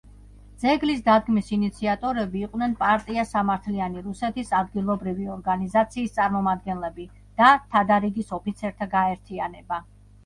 ძეგლის დადგმის ინიციატორები იყვნენ პარტია სამართლიანი რუსეთის ადგილობრივი ორგანიზაციის წარმომადგენლები და თადარიგის ოფიცერთა გაერთიანება.